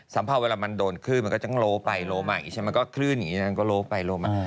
สัมเผาเวลามันโดนขึ้นมันก็จะโล้ไปโล้มามันก็ขึ้นอย่างนี้นั้นก็โล้ไปโล้มา